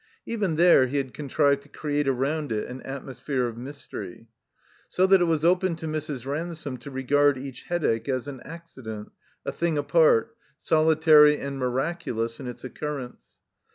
Even there he had contrived to create arotmd it an atmos phere of mjTstery. So that it was open to Mrs. Ran some to regard each Headache as an accident, a thing apart, solitary and miraculous in its occurrence.